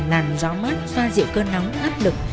làm gió mát xoa dịu cơn nóng áp lực